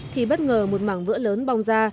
khi bất ngờ một mảng vỡ lớn bong ra